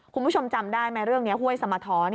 คุณผู้ชมจำได้ไหมเรื่องนี้ห้วยสมท้อน